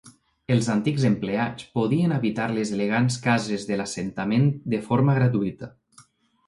Els antics empleats podien habitar les elegants cases de l'assentament de forma gratuïta.